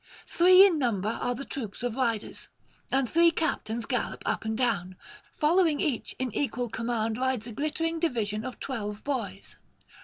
Three in number are the troops of riders, and three captains gallop up and down; following each in equal command rides a glittering division of twelve boys.